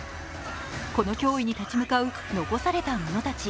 この脅威に立ち向かう残された者たち。